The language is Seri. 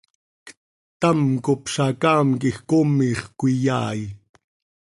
Ctam cop zacaam quij comiix cöiyaai.